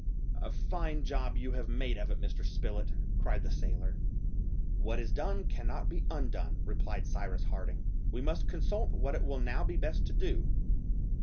"A fine job you have made of it, Mr. Spilett," cried the sailor. "What is done cannot be undone," replied Cyrus Harding. "We must consult what it will now be best to do."